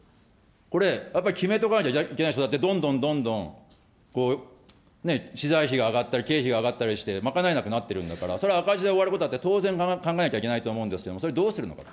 これ、やっぱり決めておかなきゃいけないでしょ、だってどんどんどんどん資材費が上がったり、経費が上がったりして、賄えなくなってるんだから、それは赤字で終わることだって当然考えなきゃいけないと思うんですけれども、それ、どうするのか。